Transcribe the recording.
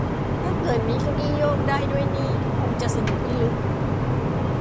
ถ้าเกิดมีเก้าอี้โยกได้ด้วยนี่คงจะสนุกพิลึก